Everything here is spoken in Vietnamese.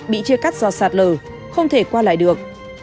bị chia cắt do sạt lở không thể qua lại được